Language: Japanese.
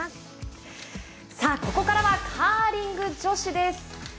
ここからはカーリング女子です。